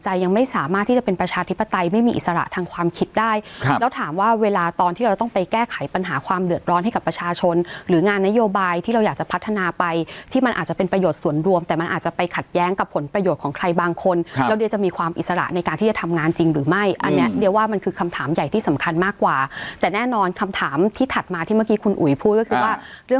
ใจยังไม่สามารถที่จะเป็นประชาธิปไตยไม่มีอิสระทางความคิดได้แล้วถามว่าเวลาตอนที่เราต้องไปแก้ไขปัญหาความเหลือดร้อนให้กับประชาชนหรืองานนโยบายที่เราอยากจะพัฒนาไปที่มันอาจจะเป็นประโยชน์ส่วนรวมแต่มันอาจจะไปขัดแย้งกับผลประโยชน์ของใครบางคนแล้วเดี๋ยวจะมีความอิสระในการที่จะทำงานจริงหร